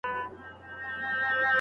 لا یې تنده ورځ په ورځ پسي زیاتیږي